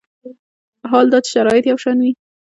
حال دا چې شرایط یو شان وي.